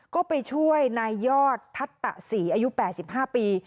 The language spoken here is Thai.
ก็ไปช่วยนายยอดทัศตะศรีอายุ๘๕ปี